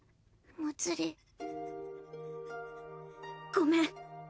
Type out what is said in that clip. ごめん。